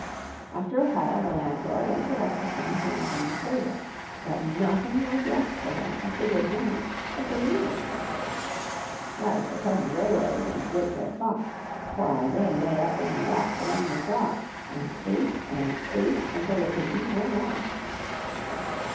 After a while the landlord and the rest of them came from the stable ; but nothing was left for them of the good things but the leavings. As for Cousin Greylegs and the Great Red Fox, why, they lay up in the loft among the straw, and ate and ate until they could eat no more.